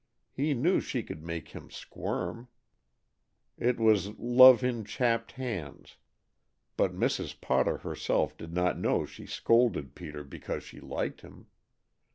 He knew she could make him squirm. It was Love in Chapped Hands, but Mrs. Potter herself did not know she scolded Peter because she liked him.